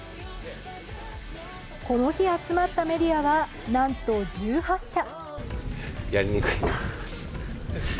この日集まったメディアはなんと１８社。